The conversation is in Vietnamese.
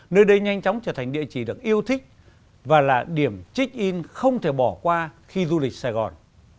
nơi đây nhanh chóng trở thành địa chỉ được yêu thích và là điểm check in không thể bỏ qua khi du lịch sài gòn